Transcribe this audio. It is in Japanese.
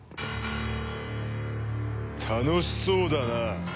楽しそうだな。